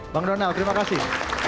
bang donald terima kasih